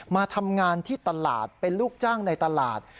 มาทำงานที่ตลาดเป็นลูกจ้างในตลาด